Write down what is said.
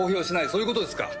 そういうことですか！